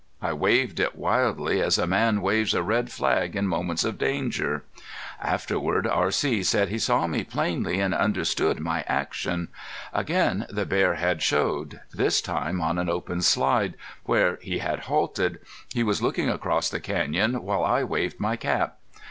I waved it wildly as a man waves a red flag in moments of danger. Afterward R.C. said he saw me plainly and understood my action. Again the bear had showed, this time on an open slide, where he had halted. He was looking across the canyon while I waved my cap.